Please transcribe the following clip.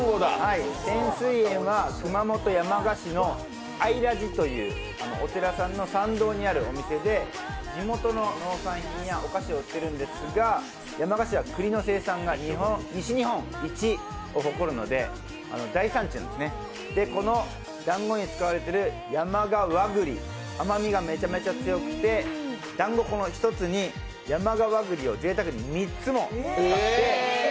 泉水園は熊本・山鹿市の相良寺というお寺さんの参道にあるお店で地元の農産品やお菓子を売っているんですが、山鹿市は栗の生産が西日本一を誇るので大産地なんですね、このだんごに使われている山鹿和栗、甘みがめちゃめちゃ強くて、だんご１つに山鹿和栗をぜいたくに３つも使っています。